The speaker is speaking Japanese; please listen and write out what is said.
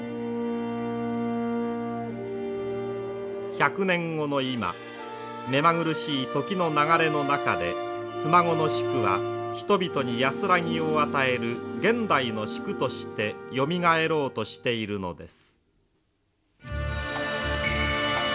１００年後の今目まぐるしい時の流れの中で妻籠宿は人々に安らぎを与える現代の宿としてよみがえろうとしているのです。